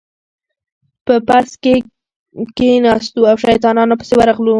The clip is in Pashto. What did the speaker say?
په بس کې کېناستو او شیطانانو پسې ورغلو.